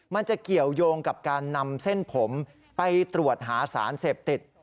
มันจะเกี่ยวยงกับการนำเส้นผมไปตรวจหาสารเสพติด